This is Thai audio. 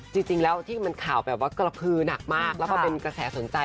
จริงแล้วที่มันข่าวแบบว่ากระพือหนักมากแล้วก็เป็นกระแสสนใจ